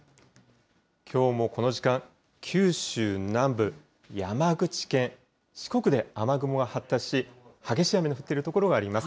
きょうもこの時間、九州南部、山口県、四国で雨雲が発達し、激しい雨の降っている所があります。